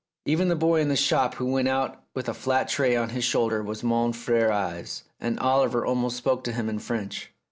Even the boy in the shop who went out with a flat tray on his shoulder was mon fiere Yves, and Oliver almost spoke to him in French.